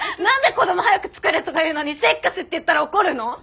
何で子ども早くつくれとか言うのにセックスって言ったら怒るの？